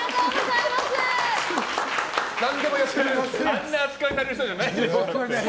あんな扱いされる人じゃないでしょ。